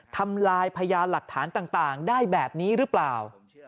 ทำลายพยานหลักฐานต่างได้แบบนี้หรือเปล่า